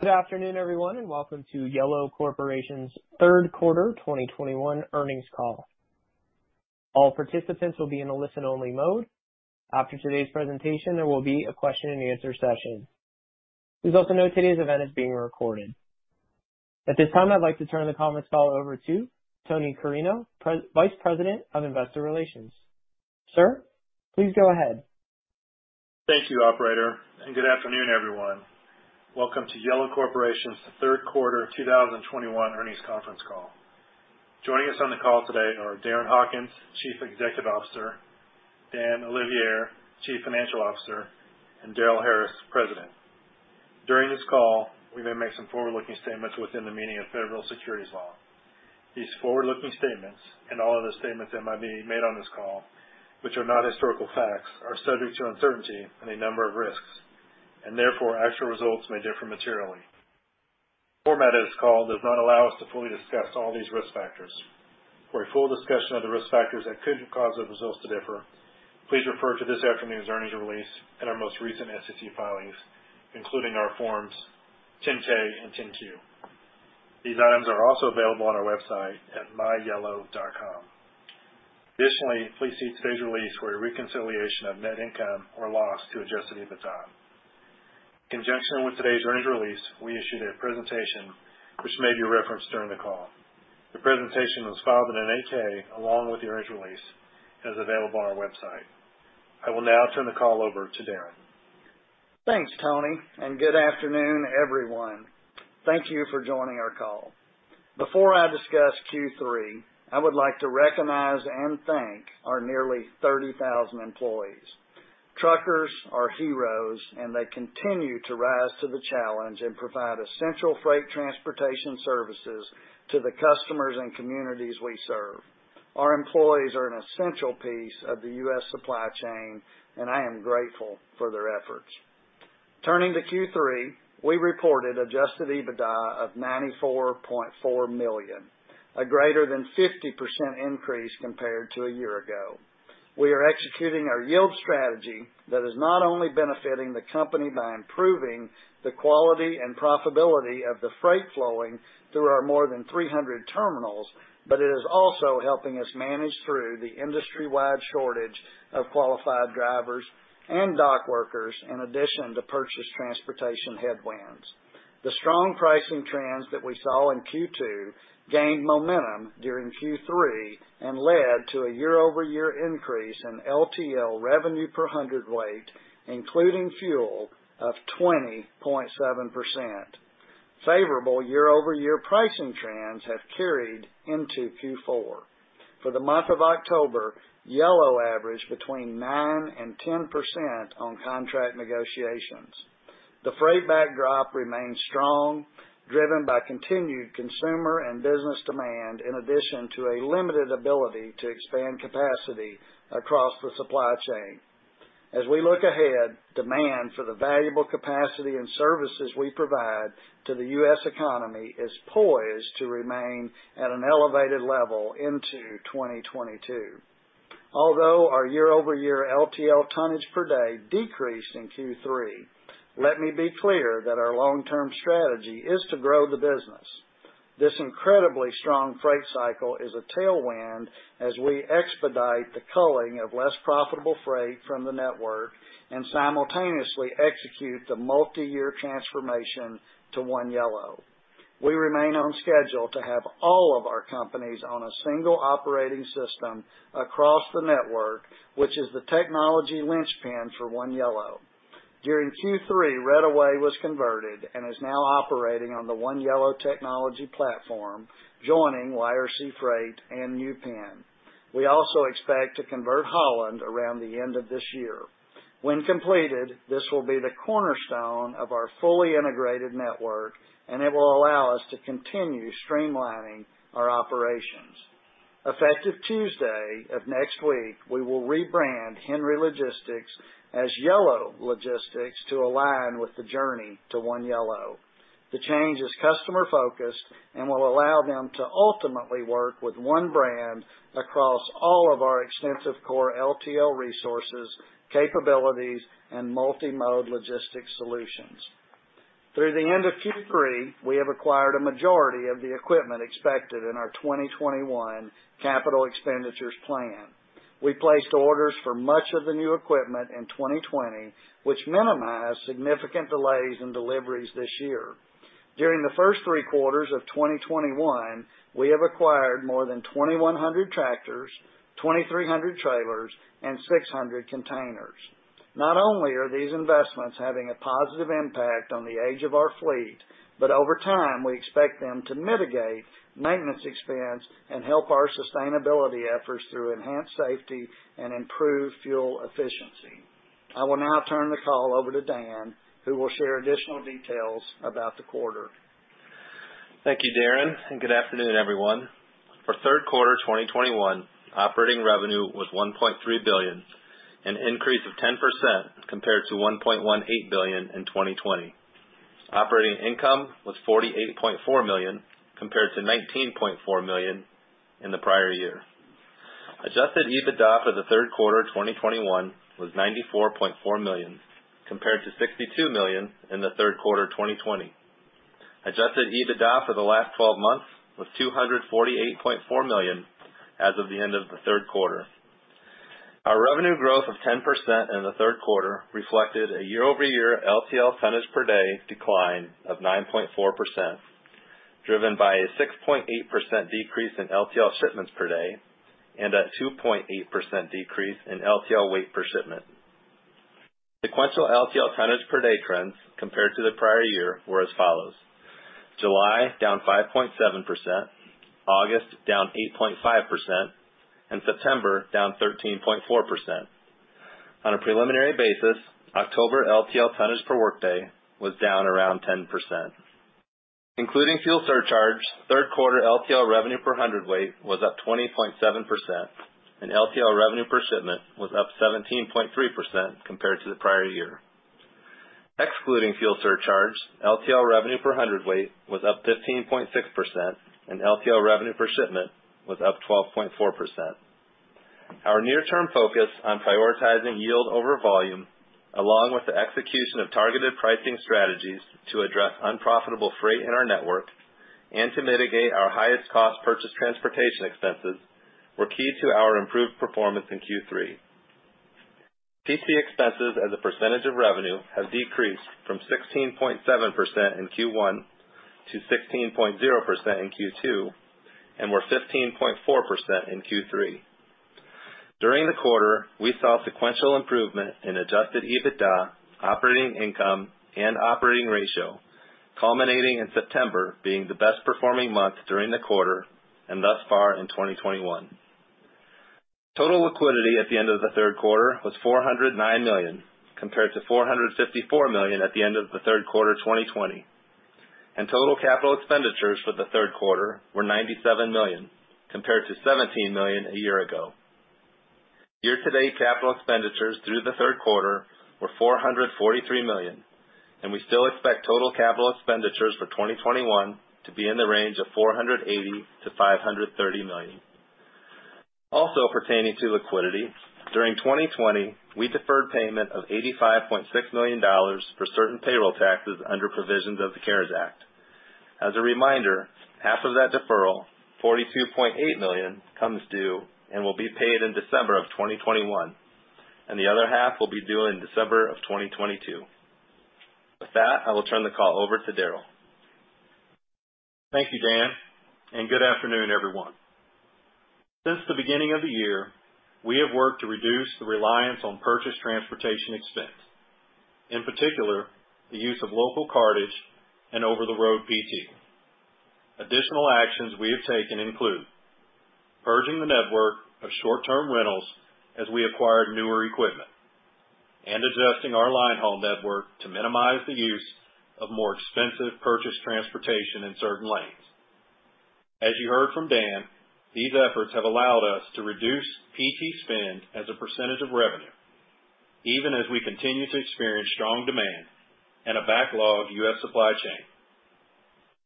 Good afternoon, everyone, and welcome to Yellow Corporation's Third Quarter 2021 Earnings Call. All participants will be in a listen only mode. After today's presentation, there will be a question and answer session. Please also note today's event is being recorded. At this time, I'd like to turn the conference call over to Tony Carreño, Vice President of Investor Relations. Sir, please go ahead. Thank you, operator, and good afternoon, everyone. Welcome to Yellow Corporation's Third Quarter of 2021 Earnings Conference Call. Joining us on the call today are Darren Hawkins, Chief Executive Officer, Dan Olivier, Chief Financial Officer, and Darrel Harris, President. During this call, we may make some forward-looking statements within the meaning of federal securities law. These forward-looking statements, and all of the statements that might be made on this call, which are not historical facts, are subject to uncertainty and a number of risks, and therefore actual results may differ materially. The format of this call does not allow us to fully discuss all these risk factors. For a full discussion of the risk factors that could cause our results to differ, please refer to this afternoon's earnings release and our most recent SEC filings, including our forms 10-K and 10-Q. These items are also available on our website at myyellow.com. Additionally, please see today's release for a reconciliation of net income or loss to adjusted EBITDA. In conjunction with today's earnings release, we issued a presentation which may be referenced during the call. The presentation was filed in an 8-K along with the earnings release and is available on our website. I will now turn the call over to Darren. Thanks, Tony, and good afternoon, everyone. Thank you for joining our call. Before I discuss Q3, I would like to recognize and thank our nearly 30,000 employees. Truckers are heroes, and they continue to rise to the challenge and provide essential freight transportation services to the customers and communities we serve. Our employees are an essential piece of the U.S. supply chain, and I am grateful for their efforts. Turning to Q3, we reported adjusted EBITDA of $94.4 million, a greater than 50% increase compared to a year ago. We are executing our yield strategy that is not only benefiting the company by improving the quality and profitability of the freight flowing through our more than 300 terminals, but it is also helping us manage through the industry-wide shortage of qualified drivers and dock workers in addition to purchase transportation headwinds. The strong pricing trends that we saw in Q2 gained momentum during Q3 and led to a year-over-year increase in LTL revenue per hundredweight, including fuel of 20.7%. Favorable year-over-year pricing trends have carried into Q4. For the month of October, Yellow averaged between 9% and 10% on contract negotiations. The freight backdrop remains strong driven by continued consumer and business demand in addition to a limited ability to expand capacity across the supply chain. As we look ahead, demand for the valuable capacity and services we provide to the U.S. economy is poised to remain at an elevated level into 2022. Although our year-over-year LTL tonnage per day decreased in Q3, let me be clear that our long-term strategy is to grow the business. This incredibly strong freight cycle is a tailwind as we expedite the culling of less profitable freight from the network and simultaneously execute the multi-year transformation to One Yellow. We remain on schedule to have all of our companies on a single operating system across the network, which is the technology linchpin for One Yellow. During Q3, Reddaway was converted and is now operating on the One Yellow technology platform, joining YRC Freight and New Penn. We also expect to convert Holland around the end of this year. When completed, this will be the cornerstone of our fully integrated network, and it will allow us to continue streamlining our operations. Effective Tuesday of next week, we will rebrand HNRY Logistics as Yellow Logistics to align with the journey to One Yellow. The change is customer-focused and will allow them to ultimately work with one brand across all of our extensive core LTL resources, capabilities, and multi-mode logistics solutions. Through the end of Q3, we have acquired a majority of the equipment expected in our 2021 capital expenditures plan. We placed orders for much of the new equipment in 2020, which minimized significant delays in deliveries this year. During the first three quarters of 2021, we have acquired more than 2,100 tractors, 2,300 trailers, and 600 containers. Not only are these investments having a positive impact on the age of our fleet, but over time, we expect them to mitigate maintenance expense and help our sustainability efforts through enhanced safety and improved fuel efficiency. I will now turn the call over to Dan, who will share additional details about the quarter. Thank you, Darren, and good afternoon, everyone. For third quarter 2021, operating revenue was $1.3 billion, an increase of 10% compared to $1.18 billion in 2020. Operating income was $48.4 million compared to $19.4 million in the prior year. Adjusted EBITDA for the third quarter 2021 was $94.4 million, compared to $62 million in the third quarter 2020. Adjusted EBITDA for the last 12 months was $248.4 million as of the end of the third quarter. Our revenue growth of 10% in the third quarter reflected a year-over-year LTL tonnage per day decline of 9.4%, driven by a 6.8% decrease in LTL shipments per day and a 2.8% decrease in LTL weight per shipment. Sequential LTL tonnage per day trends compared to the prior year were as follows. July, down 5.7%, August, down 8.5%, and September, down 13.4%. On a preliminary basis, October LTL tonnage per workday was down around 10%. Including fuel surcharge, third quarter LTL revenue per hundredweight was up 20.7%, and LTL revenue per shipment was up 17.3% compared to the prior year. Excluding fuel surcharge, LTL revenue per hundredweight was up 15.6%, and LTL revenue per shipment was up 12.4%. Our near-term focus on prioritizing yield over volume along with the execution of targeted pricing strategies to address unprofitable freight in our network and to mitigate our highest cost purchase transportation expenses, were key to our improved performance in Q3. PT expenses as a percentage of revenue have decreased from 16.7% in Q1 to 16.0% in Q2, and were 15.4% in Q3. During the quarter, we saw sequential improvement in adjusted EBITDA, operating income, and operating ratio, culminating in September being the best performing month during the quarter, and thus far in 2021. Total liquidity at the end of the third quarter was $409 million, compared to $454 million at the end of the third quarter 2020. Total capital expenditures for the third quarter were $97 million compared to $17 million a year ago. Year-to-date capital expenditures through the third quarter were $443 million and we still expect total capital expenditures for 2021 to be in the range of $480 million to $530 million. Also pertaining to liquidity, during 2020, we deferred payment of $85.6 million for certain payroll taxes under provisions of the CARES Act. As a reminder, half of that deferral, $42.8 million, comes due and will be paid in December 2021, and the other half will be due in December 2022. With that, I will turn the call over to Darrel. Thank you, Dan, and good afternoon, everyone. Since the beginning of the year, we have worked to reduce the reliance on purchase transportation expense, in particular, the use of local cartage and over-the-road PT. Additional actions we have taken include purging the network of short-term rentals as we acquired newer equipment and adjusting our line haul network to minimize the use of more expensive purchase transportation in certain lanes. As you heard from Dan, these efforts have allowed us to reduce PT spend as a percentage of revenue, even as we continue to experience strong demand and a backlogged U.S. supply chain.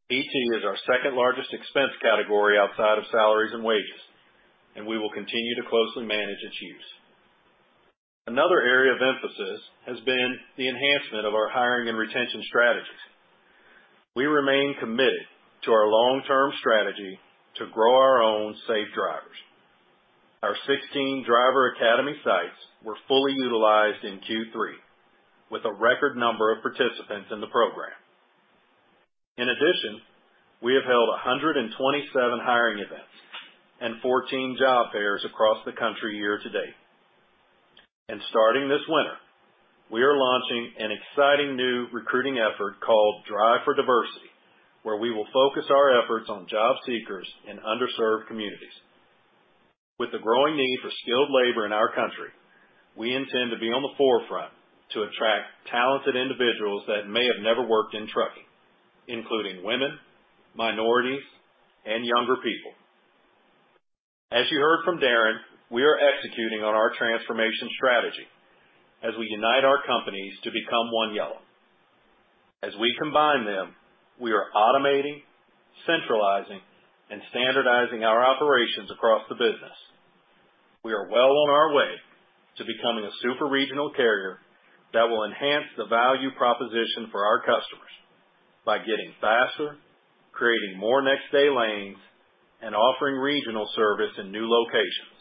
PT is our second largest expense category outside of salaries and wages and we will continue to closely manage its use. Another area of emphasis has been the enhancement of our hiring and retention strategies. We remain committed to our long-term strategy to grow our own safe drivers. Our 16 driver academy sites were fully utilized in Q3, with a record number of participants in the program. In addition, we have held 127 hiring events and 14 job fairs across the country year-to-date. Starting this winter, we are launching an exciting new recruiting effort called Drive for Diversity, where we will focus our efforts on job seekers in underserved communities. With the growing need for skilled labor in our country, we intend to be on the forefront to attract talented individuals that may have never worked in trucking, including women, minorities, and younger people. As you heard from Darren, we are executing on our transformation strategy as we unite our companies to become One Yellow. As we combine them, we are automating, centralizing, and standardizing our operations across the business. We are well on our way to becoming a super regional carrier that will enhance the value proposition for our customers by getting faster, creating more next day lanes, and offering regional service in new locations.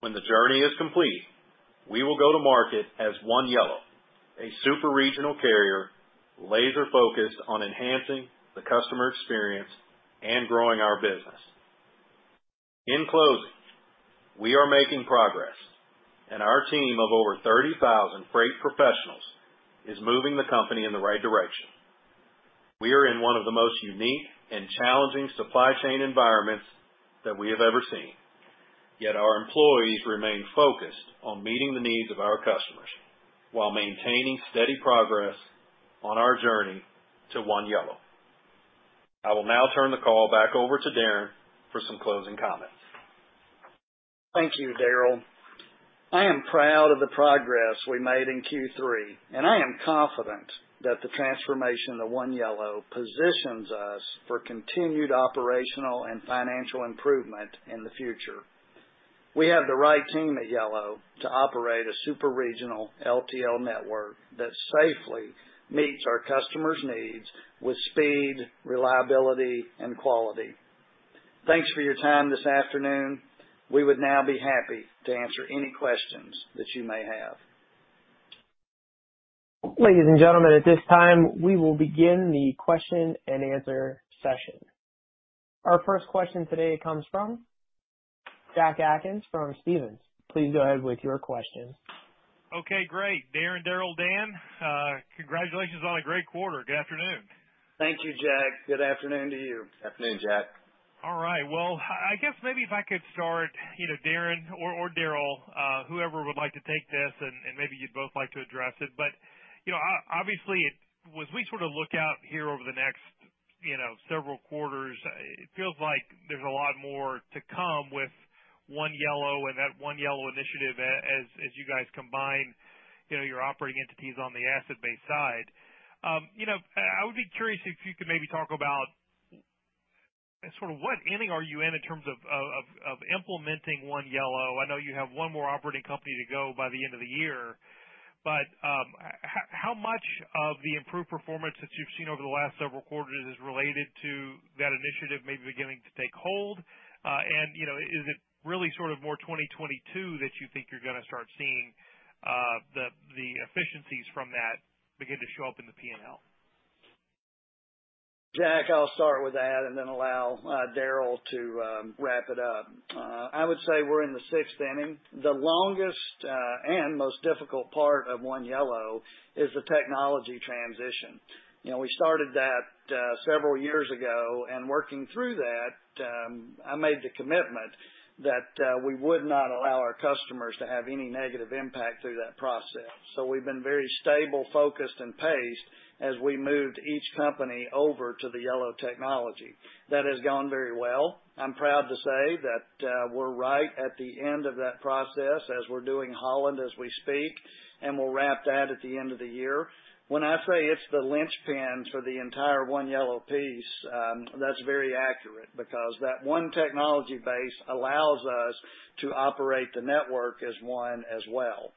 When the journey is complete, we will go to market as One Yellow, a super regional carrier laser focused on enhancing the customer experience and growing our business. In closing, we are making progress, and our team of over 30,000 freight professionals is moving the company in the right direction. We are in one of the most unique and challenging supply chain environments that we have ever seen, yet our employees remain focused on meeting the needs of our customers while maintaining steady progress on our journey to One Yellow. I will now turn the call back over to Darren for some closing comments. Thank you, Darrel. I am proud of the progress we made in Q3, and I am confident that the transformation to One Yellow positions us for continued operational, and financial improvement in the future. We have the right team at Yellow to operate a super-regional LTL network that safely meets our customers' needs with speed, reliability, and quality. Thanks for your time this afternoon. We would now be happy to answer any questions that you may have. Ladies and gentlemen, at this time, we will begin the question and answer session. Our first question today comes from Jack Atkins from Stephens. Please go ahead with your question. Okay, great. Darren, Darrel, Dan, congratulations on a great quarter. Good afternoon. Thank you, Jack. Good afternoon to you. Good afternoon, Jack. All right. Well, maybe if I could start, you know, Darren or Darrel, whoever would like to take this and maybe you'd both like to address it. You know, obviously, as we sort of look out here over the next, you know, several quarters, it feels like there's a lot more to come with One Yellow and that One Yellow initiative as you guys combine, you know, your operating entities on the asset-based side. You know, I would be curious if you could maybe talk about sort of what inning are you in terms of implementing One Yellow. I know you have one more operating company to go by the end of the year, but how much of the improved performance that you've seen over the last several quarters is related to that initiative maybe beginning to take hold? Is it really sort of more 2022 that you think you're going to start seeing the efficiencies from that begin to show up in the P&L? Jack, I'll start with that and then allow Darrel to wrap it up. I would say we're in the sixth inning. The longest and most difficult part of One Yellow is the technology transition. We started that several years ago, and working through that, I made the commitment that we would not allow our customers to have any negative impact through that process. We've been very stable, focused, and paced as we moved each company over to the Yellow technology. That has gone very well. I'm proud to say that we're right at the end of that process as we're doing Holland as we speak and we'll wrap that at the end of the year. When I say it's the linchpin for the entire One Yellow piece, that's very accurate because that one technology base allows us to operate the network as one as well.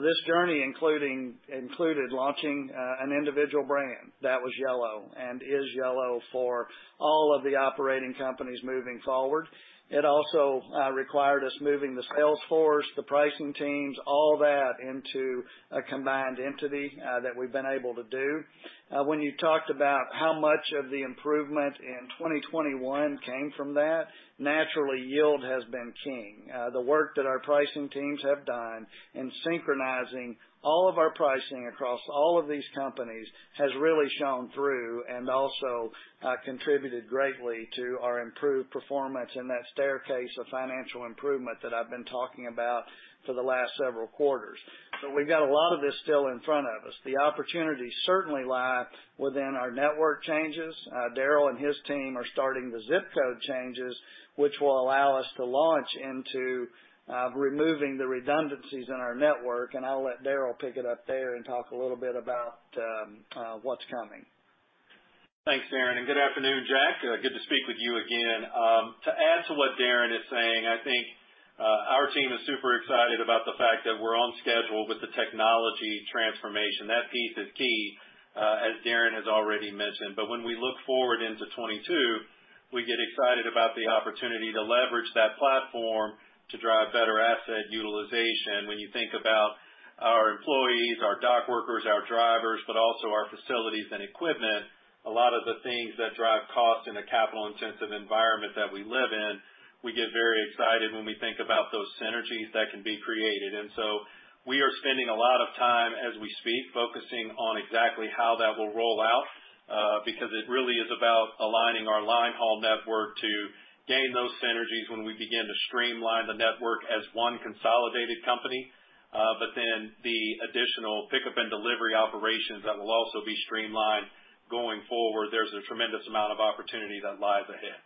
This journey included launching an individual brand that was Yellow and is Yellow for all of the operating companies moving forward. It also required us moving the sales force, the pricing teams, all that into a combined entity that we've been able to do. When you talked about how much of the improvement in 2021 came from that, naturally, yield has been king. The work that our pricing teams have done in synchronizing all of our pricing across all of these companies has really shown through and also contributed greatly to our improved performance and that staircase of financial improvement that I've been talking about for the last several quarters. We've got a lot of this still in front of us. The opportunities certainly lie within our network changes. Darrel and his team are starting the zip code changes, which will allow us to launch into removing the redundancies in our network, and I'll let Darrel pick it up there and talk a little bit about what's coming. Thanks, Darren, and good afternoon, Jack. Good to speak with you again. To add to what Darren is saying, I think our team is super excited about the fact that we're on schedule with the technology transformation. That piece is key, as Darren has already mentioned. When we look forward into 2022, we get excited about the opportunity to leverage that platform to drive better asset utilization. When you think about our employees, our dock workers, our drivers, but also our facilities and equipment, a lot of the things that drive cost in a capital-intensive environment that we live in, we get very excited when we think about those synergies that can be created. We are spending a lot of time as we speak focusing on exactly how that will roll out because it really is about aligning our line haul network to gain those synergies when we begin to streamline the network as one consolidated company. The additional pickup and delivery operations that will also be streamlined going forward, there's a tremendous amount of opportunity that lies ahead.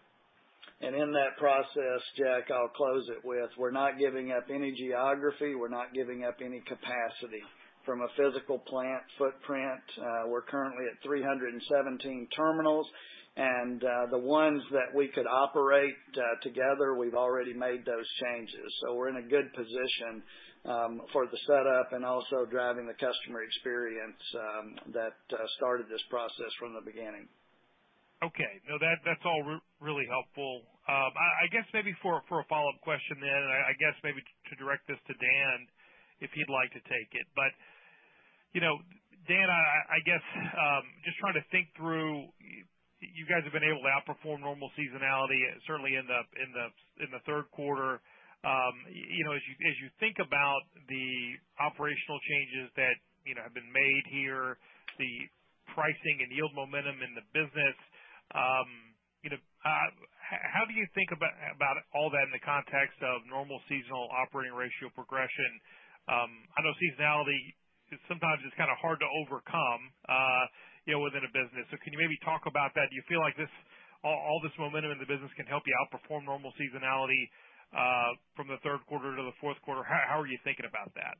In that process, Jack, I'll close it with, we're not giving up any geography. We're not giving up any capacity. From a physical plant footprint, we're currently at 317 terminals. The ones that we could operate together, we've already made those changes. We're in a good position for the setup and also driving the customer experience that started this process from the beginning. Okay. No, that's all really helpful. MAybe for a follow-up question then maybe to direct this to Dan, if you'd like to take it. You know, Dan, I guess just trying to think through, you guys have been able to outperform normal seasonality, certainly in the third quarter. As you think about the operational changes that you know have been made here, the pricing and yield momentum in the business, you know, how do you think about all that in the context of normal seasonal operating ratio progression? I know seasonality because sometimes it's kind of hard to overcome, you know, within a business. Can you maybe talk about that? Do you feel like this all this momentum in the business can help you outperform normal seasonality from the third quarter to the fourth quarter? How are you thinking about that?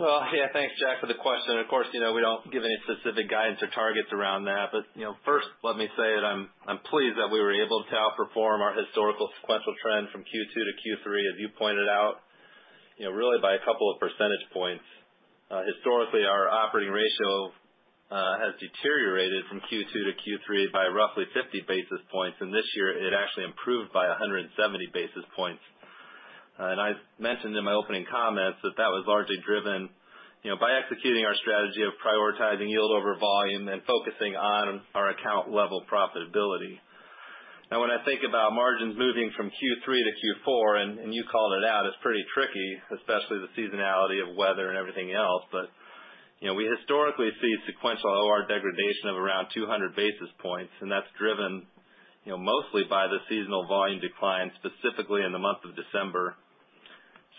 Well, yeah, thanks, Jack, for the question. Of course, you know, we don't give any specific guidance or targets around that. You know, first let me say that I'm pleased that we were able to outperform our historical sequential trend from Q2 to Q3, as you pointed out, you know, really by a couple of percentage points. Historically, our operating ratio has deteriorated from Q2 to Q3 by roughly 50 basis points, and this year it actually improved by 170 basis points. I mentioned in my opening comments that that was largely driven, you know, by executing our strategy of prioritizing yield over volume and focusing on our account level profitability. Now, when I think about margins moving from Q3 to Q4, and you called it out, it's pretty tricky, especially the seasonality of weather and everything else. We historically see sequential OR degradation of around 200 basis points, and that's driven, you know, mostly by the seasonal volume decline, specifically in the month of December.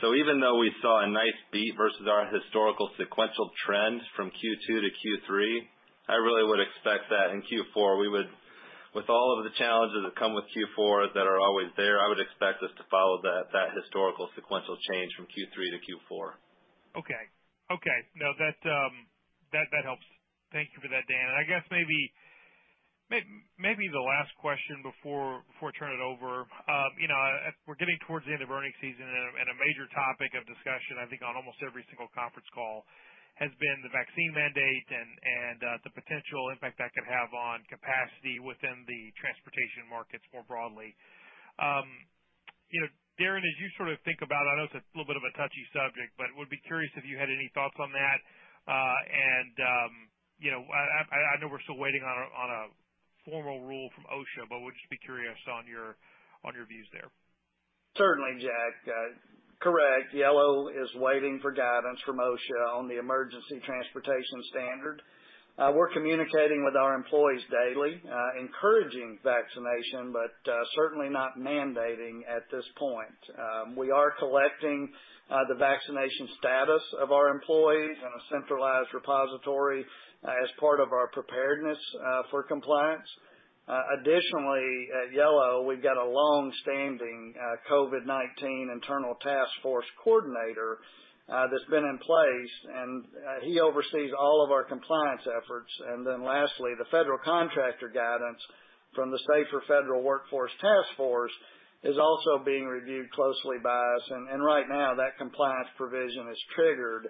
Even though we saw a nice beat versus our historical sequential trend from Q2 to Q3, I really would expect that in Q4 we would, with all of the challenges that come with Q4 that are always there, I would expect us to follow that historical sequential change from Q3 to Q4. Okay. Okay, no, that helps. Thank you for that, Dan, and maybe the last question before I turn it over. As we're getting towards the end of earnings season and a major topic of discussion, I think on almost every single conference call has been the vaccine mandate and the potential impact that could have on capacity within the transportation markets more broadly. You know, Darren, as you sort of think about, I know it's a little bit of a touchy subject, but would be curious if you had any thoughts on that. I know we're still waiting on a formal rule from OSHA, but would just be curious on your views there. Certainly, Jack. Correct. Yellow is waiting for guidance from OSHA on the Emergency Temporary Standard. We're communicating with our employees daily, encouraging vaccination, but certainly not mandating at this point. We are collecting the vaccination status of our employees in a centralized repository as part of our preparedness for compliance. Additionally, at Yellow, we've got a long-standing COVID-19 internal task force coordinator that's been in place, and he oversees all of our compliance efforts. Lastly, the federal contractor guidance from the Safer Federal Workforce Task Force is also being reviewed closely by us. Right now that compliance provision is triggered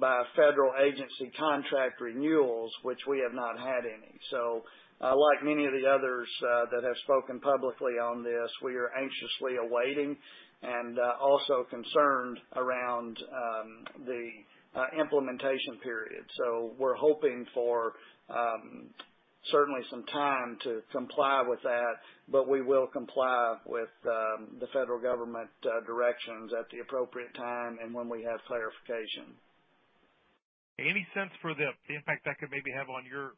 by federal agency contract renewals, which we have not had any, so like many of the others that have spoken publicly on this, we are anxiously awaiting and also concerned around the implementation period. We're hoping for certainly some time to comply with that, but we will comply with the federal government directions at the appropriate time and when we have clarification. Any sense for the impact that could maybe have on your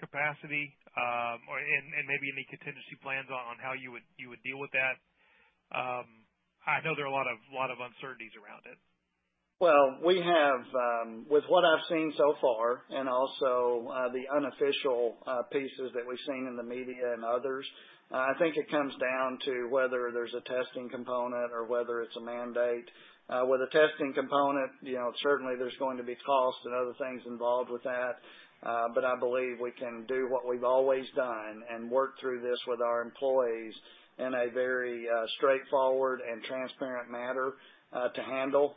capacity, or and maybe any contingency plans on how you would deal with that? I know there are a lot of uncertainties around it. Well, we have with what I've seen so far and also the unofficial pieces that we've seen in the media and others, I think it comes down to whether there's a testing component or whether it's a mandate. With a testing component, you know, certainly there's going to be costs and other things involved with that. I believe we can do what we've always done and work through this with our employees in a very straightforward and transparent manner to handle.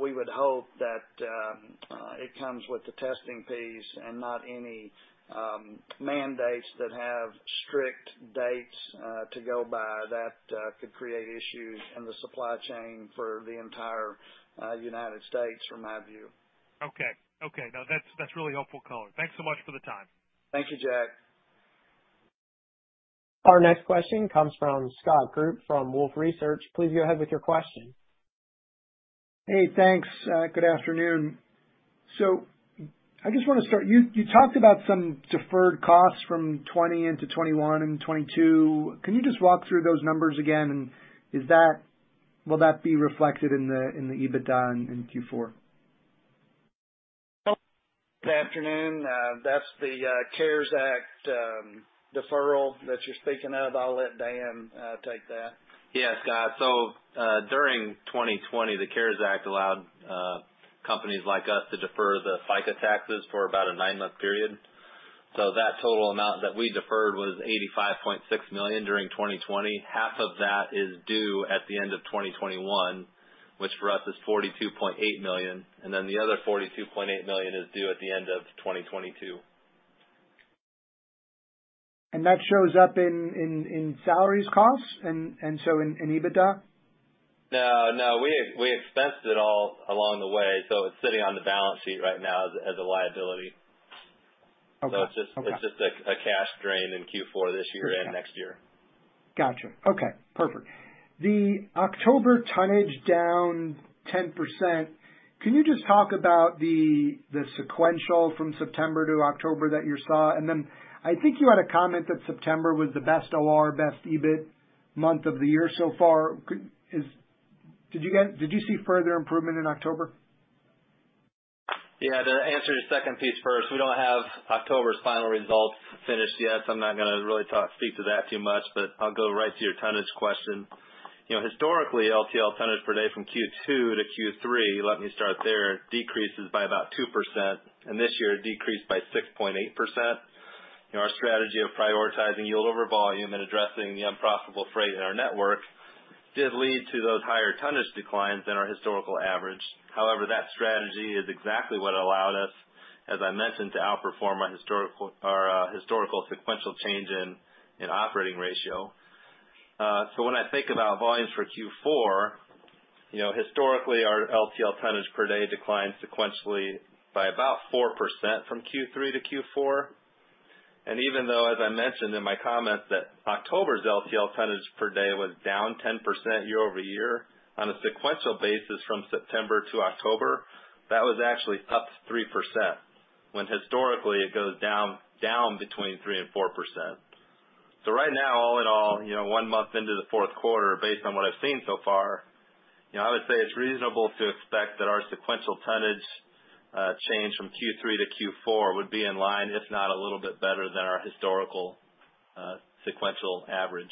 We would hope that it comes with the testing piece and not any mandates that have strict dates to go by. That could create issues in the supply chain for the entire United States from my view. Okay. Okay. No, that's really helpful color. Thanks so much for the time. Thank you, Jack. Our next question comes from Scott Group from Wolfe Research. Please go ahead with your question. Hey, thanks. Good afternoon. I just want to start, you talked about some deferred costs from 2020 into 2021 and 2022. Can you just walk through those numbers again? Will that be reflected in the EBITDA in Q4? Good afternoon. That's the CARES Act deferral that you're speaking of. I'll let Dan take that. Yeah, Scott. During 2020, the CARES Act allowed companies like us to defer the FICA taxes for about a nine-month period. That total amount that we deferred was $85.6 million during 2020. Half of that is due at the end of 2021, which for us is $42.8 million, and then the other $42.8 million is due at the end of 2022. That shows up in salaries costs and so in EBITDA? No. We expensed it all along the way, so it's sitting on the balance sheet right now as a liability. Okay, yeah. It's just a cash drain in Q4 this year and next year. Got you, okay, perfect. The October tonnage down 10%, can you just talk about the sequential from September to October that you saw? Then I think you had a comment that September was the best OR, best EBIT month of the year so far. Did you see further improvement in October? Yeah, to answer your second piece first, we don't have October's final results finished yet, so I'm not going to really talk, speak to that too much, but I'll go right to your tonnage question. You know, historically, LTL tonnage per day from Q2 to Q3, let me start there, decreases by about 2%, and this year it decreased by 6.8%. Our strategy of prioritizing yield over volume and addressing the unprofitable freight in our network did lead to those higher tonnage declines than our historical average. However, that strategy is exactly what allowed us, as I mentioned, to outperform our historical sequential change in operating ratio. When I think about volumes for Q4, you know, historically, our LTL tonnage per day declines sequentially by about 4% from Q3 to Q4. Even though, as I mentioned in my comments, that October's LTL tonnage per day was down 10% year-over-year. On a sequential basis from September to October, that was actually up 3%, when historically it goes down between 3% and 4%. Right now, all in all, you know, one month into the fourth quarter, based on what I've seen so far, you know, I would say it's reasonable to expect that our sequential tonnage change from Q3 to Q4 would be in line, if not a little bit better than our historical sequential average.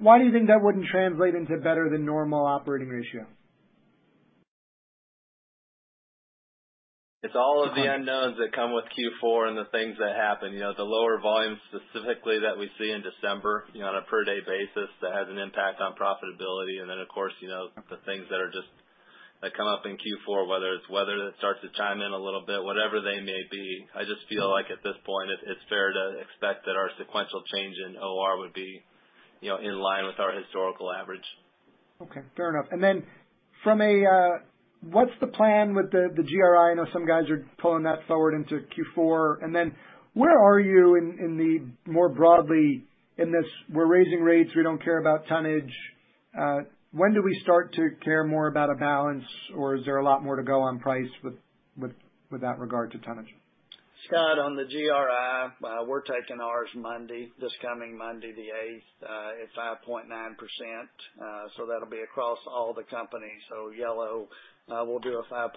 Why do you think that wouldn't translate into better than normal operating ratio? It's all of the unknowns that come with Q4 and the things that happen. The lower volumes specifically that we see in December, you know, on a per day basis, that has an impact on profitability. Then, of course, you know, the things that are just, that come up in Q4, whether it's weather that starts to chime in a little bit, whatever they may be. I just feel like at this point it's fair to expect that our sequential change in OR would be, you know, in line with our historical average. Okay, fair enough. Then from a, what's the plan with the GRI? I know some guys are pulling that forward into Q4. Then where are you in the more broadly in this, we're raising rates, we don't care about tonnage. When do we start to care more about a balance or is there a lot more to go on price with that regard to tonnage? Scott, on the GRI, we're taking ours Monday, this coming Monday, the 8th, at 5.9%. That'll be across all the company. Yellow will do a 5.9%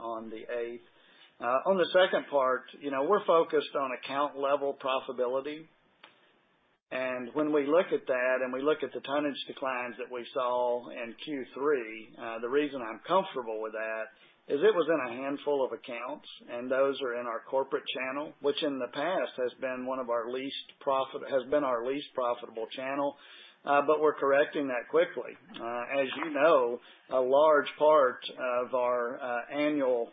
on the 8th. On the second part, you know, we're focused on account level profitability. When we look at that and we look at the tonnage declines that we saw in Q3, the reason I'm comfortable with that is it was in a handful of accounts, and those are in our corporate channel, which in the past has been our least profitable channel. We're correcting that quickly. As you know, a large part of our annual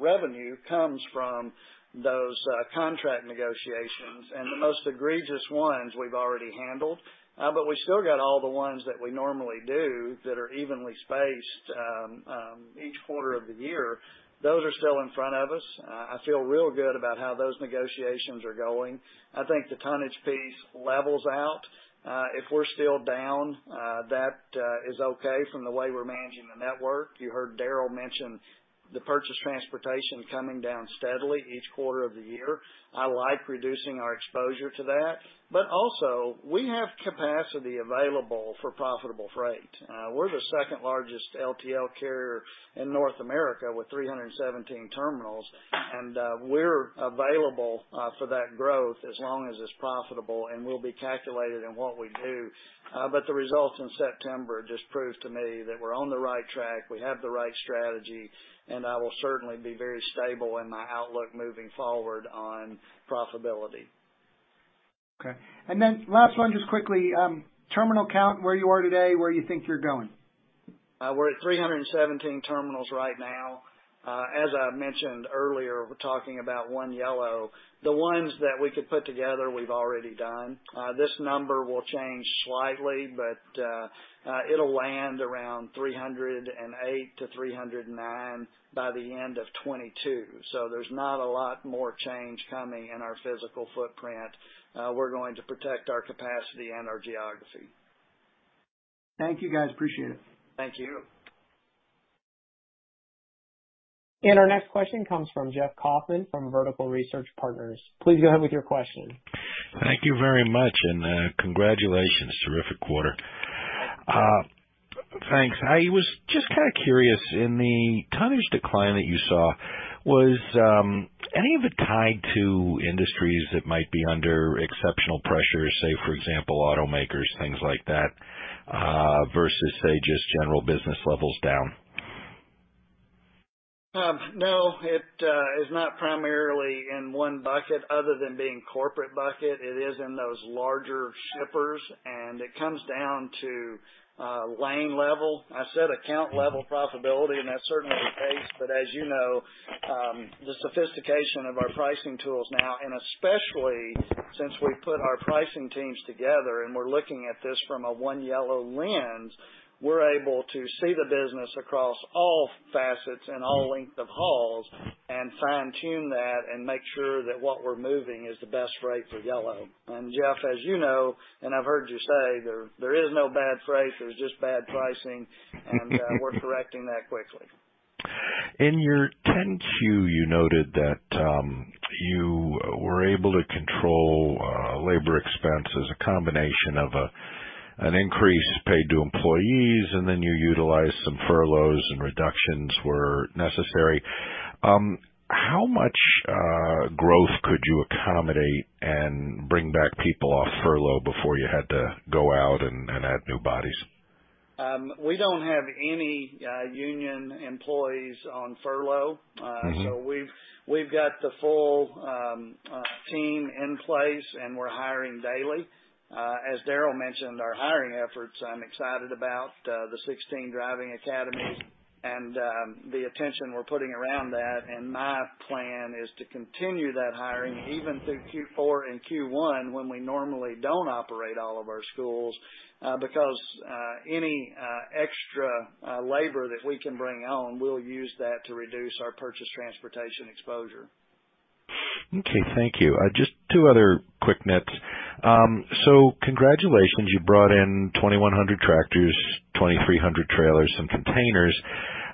revenue comes from those contract negotiations. The most egregious ones we've already handled but we still got all the ones that we normally do that are evenly spaced each quarter of the year. Those are still in front of us. I feel real good about how those negotiations are going. I think the tonnage piece levels out. If we're still down, that is okay from the way we're managing the network. You heard Darrel mention the purchased transportation coming down steadily each quarter of the year. I like reducing our exposure to that. Also, we have capacity available for profitable freight. We're the second largest LTL carrier in North America with 317 terminals. We're available for that growth as long as it's profitable and we'll be calculated in what we do. The results in September just proves to me that we're on the right track. We have the right strategy and I will certainly be very stable in my outlook moving forward on profitability. Okay. Last one, just quickly, terminal count, where you are today, where you think you're going? We're at 317 terminals right now. As I mentioned earlier, we're talking about One Yellow. The ones that we could put together, we've already done. This number will change slightly, but it'll land around 308 to 309 by the end of 2022. There's not a lot more change coming in our physical footprint. We're going to protect our capacity and our geography. Thank you, guys, appreciate it. Thank you. Our next question comes from Jeff Kauffman from Vertical Research Partners. Please go ahead with your question. Thank you very much, and congratulations, terrific quarter. Thanks. I was just kind of curious, in the tonnage decline that you saw, was any of it tied to industries that might be under exceptional pressure, say, for example, automakers, things like that, versus, say, just general business levels down? No, it is not primarily in one bucket other than being corporate bucket. It is in those larger shippers and it comes down to lane level. I said account level profitability and that certainly pays. As you know, the sophistication of our pricing tools now, and especially since we put our pricing teams together and we're looking at this from a One Yellow lens, we're able to see the business across all facets and all length of hauls and fine tune that and make sure that what we're moving is the best rate for Yellow. Jeff, as you know, and I've heard you say, there is no bad freight, there's just bad pricing. We're correcting that quickly. In your 10-Q, you noted that you were able to control labor expenses, a combination of an increase in pay to employees, and then you utilized some furloughs and reductions where necessary. How much growth could you accommodate and bring back people off furlough before you had to go out and add new bodies? We don't have any union employees on furlough. We've got the full team in place, and we're hiring daily. As Darrel mentioned, our hiring efforts, I'm excited about the 16 driving academies and the attention we're putting around that. My plan is to continue that hiring even through Q4 and Q1, when we normally don't operate all of our schools, because any extra labor that we can bring on, we'll use that to reduce our purchase transportation exposure. Okay. Thank you. Two other quick notes so congratulations, you brought in 2,100 tractors, 2,300 trailers and containers.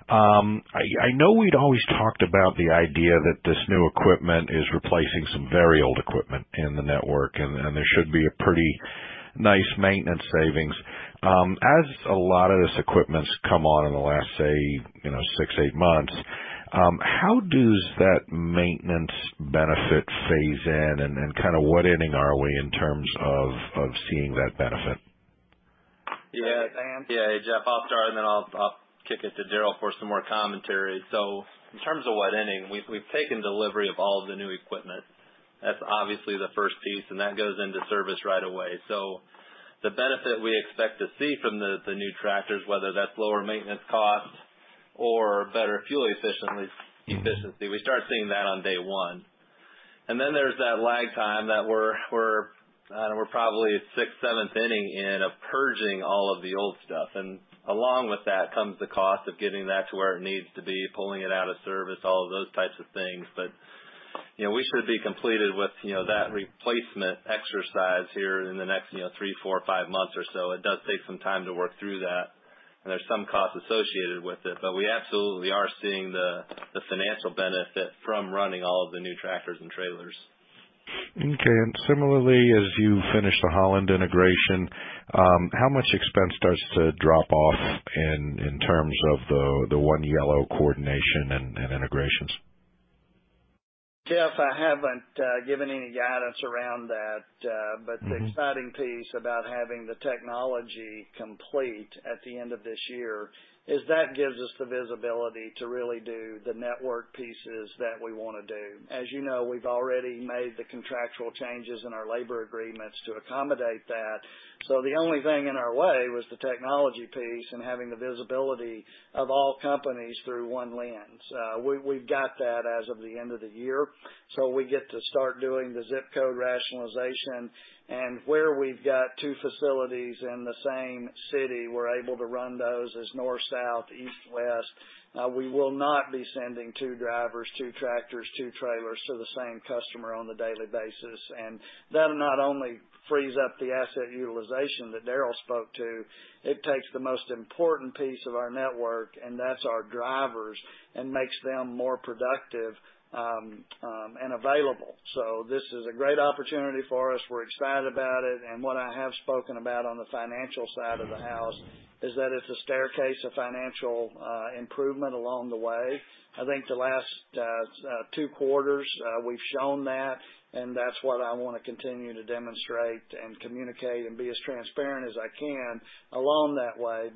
I know we'd always talked about the idea that this new equipment is replacing some very old equipment in the network, and there should be a pretty nice maintenance savings. As a lot of this equipment's come on in the last, say, you know, six months, eight months, how does that maintenance benefit phase in? WHat inning are we in terms of seeing that benefit? Yeah. Yeah. Jeff, I'll start, and then I'll kick it to Darrel for some more commentary. In terms of what inning, we've taken delivery of all of the new equipment. That's obviously the first piece, and that goes into service right away. The benefit we expect to see from the new tractors, whether that's lower maintenance costs or better fuel efficiency, we start seeing that on day one. Then there's that lag time. I don't know, we're probably at 6th, 7th inning in of purging all of the old stuff. Along with that comes the cost of getting that to where it needs to be, pulling it out of service, all of those types of things. You know, we should be completed with, you know, that replacement exercise here in the next, you know, three months, four months, five months or so. It does take some time to work through that, and there's some costs associated with it. We absolutely are seeing the financial benefit from running all of the new tractors and trailers. Okay. Similarly, as you finish the Holland integration, how much expense starts to drop off in terms of the One Yellow coordination and integrations? Jeff, I haven't given any guidance around that. The exciting piece about having the technology complete at the end of this year is that gives us the visibility to really do the network pieces that we want to do. As you know, we've already made the contractual changes in our labor agreements to accommodate that. The only thing in our way was the technology piece and having the visibility of all companies through one lens. We've got that as of the end of the year, so we get to start doing the zip code rationalization, and where we've got two facilities in the same city, we're able to run those as north, south, east, west. We will not be sending two drivers, two tractors, two trailers to the same customer on a daily basis. That not only frees up the asset utilization that Darrel spoke to, it takes the most important piece of our network, and that's our drivers, and makes them more productive and available. This is a great opportunity for us. We're excited about it. What I have spoken about on the financial side of the house is that it's a staircase of financial improvement along the way. I think the last two quarters, we've shown that, and that's what I want to continue to demonstrate and communicate and be as transparent as I can along that way.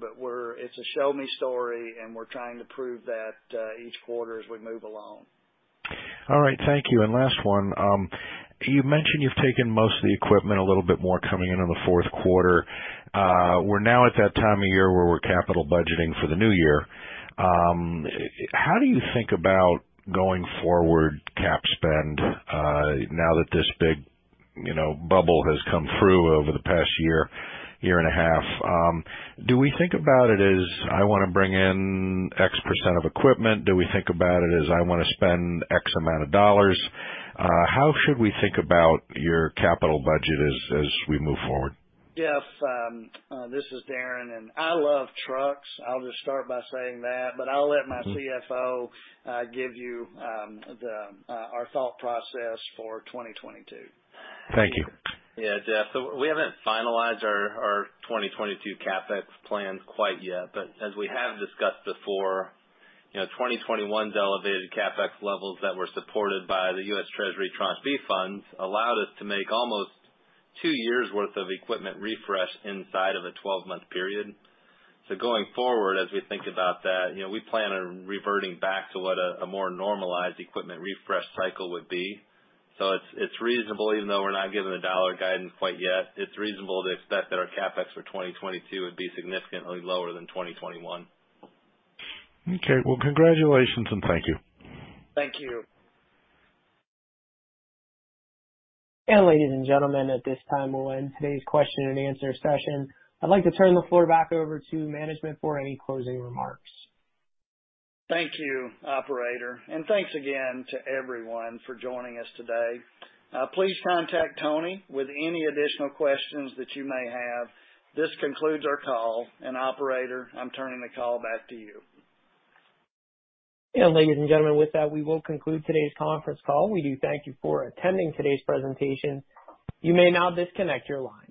It's a show me story and we're trying to prove that each quarter as we move along. All right. Thank you. Last one. You mentioned you've taken most of the equipment, a little bit more coming in in the fourth quarter. We're now at that time of year where we're capital budgeting for the new year. How do you think about going forward cap spend, now that this big, you know, bubble has come through over the past year and a half? Do we think about it as I want to bring in X percent of equipment? Do we think about it as I want to spend X amount of dollars? How should we think about your capital budget as we move forward? Jeff, this is Darren, and I love trucks. I'll just start by saying that, but I'll let my CFO give you our thought process for 2022. Thank you. Yeah. Jeff, we haven't finalized our 2022 CapEx plans quite yet. As we have discussed before, you know, 2021's elevated CapEx levels that were supported by the U.S. Treasury kind of fee funds allowed us to make almost two years worth of equipment refresh inside of a 12-month period. Going forward, as we think about that, you know, we plan on reverting back to what a more normalized equipment refresh cycle would be. It's reasonable, even though we're not giving a dollar guidance quite yet, it's reasonable to expect that our CapEx for 2022 would be significantly lower than 2021. Okay. Well, congratulations and thank you. Thank you. Ladies and gentlemen, at this time we'll end today's question and answer session. I'd like to turn the floor back over to management for any closing remarks. Thank you, operator. Thanks, again, to everyone for joining us today. Please contact Tony with any additional questions that you may have. This concludes our call, and operator, I'm turning the call back to you. Ladies and gentlemen, with that, we will conclude today's conference call. We do thank you for attending today's presentation. You may now disconnect your lines.